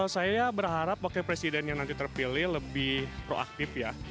saya berharap wakil presiden yang nanti terpilih lebih proaktif ya